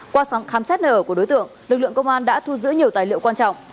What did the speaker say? qua sáng khám xét nơi ở của đối tượng lực lượng công an đã thu giữ nhiều tài liệu quan trọng